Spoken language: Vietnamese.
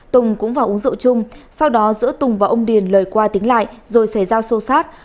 tùng cũng vào uống rượu chung sau đó giữa tùng và ông điền lời qua tính lại rồi xảy ra xô xát